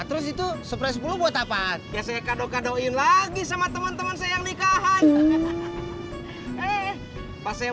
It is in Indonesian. terus itu sepres sepuluh buat apaan ya saya kado kadoin lagi sama teman teman saya yang nikahan pas saya